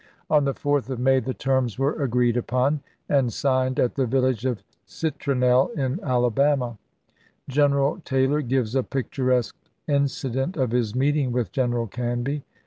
On the 4th of May the terms were agreed upon and signed at the village of Citronelle in Alabama. General Taylor gives a picturesque incident of his meeting with General Canby.